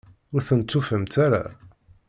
Ur tent-tufamt ara?